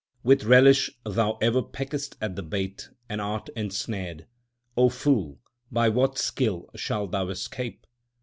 With relish thou ever peckest at the bait, and art ensnared ; O fool, by what skill shalt thou escape